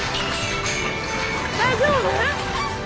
大丈夫？